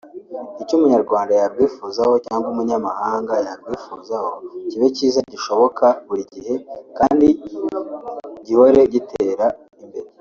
Icyo Umunyarwanda yarwifuzaho cyangwa umunyamahanga yarwifuzaho kibe cyiza gishoboka buri gihe kandi gihore gitera imbere